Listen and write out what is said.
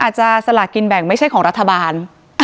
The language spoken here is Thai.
อาจจะสลากินแบ่งไม่ใช่ของรัฐบาล